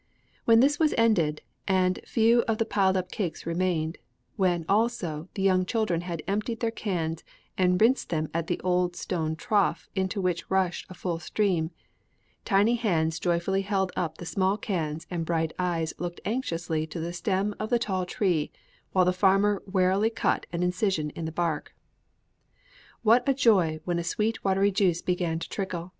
"'When this was ended, and few of the piled up cakes remained when, also, the young children had emptied their cans and rinsed them at the old stone trough into which rushed a full stream tiny hands joyfully held up the small cans and bright eyes looked anxiously to the stem of the tall tree while the farmer warily cut an incision in the bark. "'What joy when a sweet watery juice began to trickle!